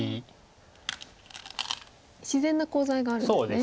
自然なコウ材があるんですね。